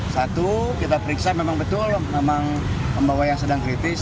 satu kita periksa memang betul memang pembawa yang sedang kritis